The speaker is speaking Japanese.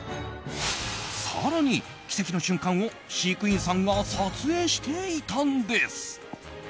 更に奇跡の瞬間を飼育員さんが撮影していたんです。